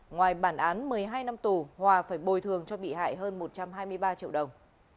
ngoài bản án một mươi hai năm tù hòa phải bồi thường cho bị hại hơn một trăm hai mươi ba triệu đồng